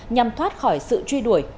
nhằm thoát khỏi sự truy đuổi